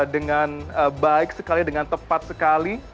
dengan baik sekali dengan tepat sekali